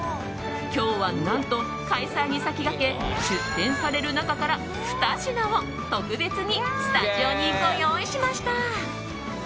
今日は、何と開催に先駆け出店される中から２品を特別にスタジオにご用意しました。